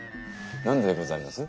何ででございます？